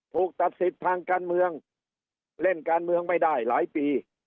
ถูกตัดสิทธิ์ทางการเมืองเล่นการเมืองไม่ได้หลายปี